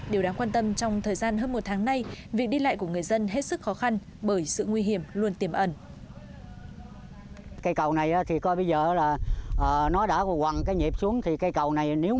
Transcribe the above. điều đáng quan tâm trong thời gian hơn một tháng nay việc đi lại của người dân hết sức khó khăn